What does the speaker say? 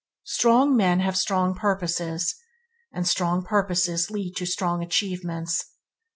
Strong men have strong purposes, and strong purposes lead to strong achievements.